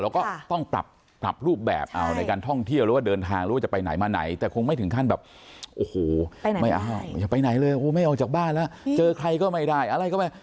ก็ต้องปรับรูปแบบเอาในการท่องเที่ยวหรือว่าเดินทางหรือว่าจะไปไหนมาไหนแต่คงไม่ถึงขั้นแบบโอ้โหไม่เอาอย่าไปไหนเลยไม่ออกจากบ้านแล้วเจอใครก็ไม่ได้อะไรก็ไม่